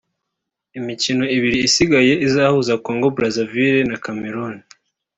Imikino ibiri isigaye izahuza Congo Brazaville na Cameroun